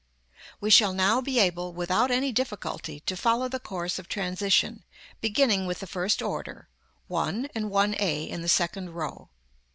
§ XXV. We shall now be able, without any difficulty, to follow the course of transition, beginning with the first order, 1 and 1 a, in the second row.